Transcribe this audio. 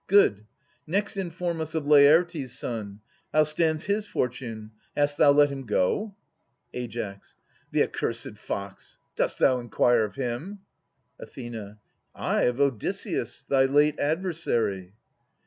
Good. Next inform us of Laertes' son ; How stands his fortune ? Hast thou let him go ? Ai. The accursed fox ! Dost thou inquire of him ? Ath. Ay, of Odysseus, thy late adversary.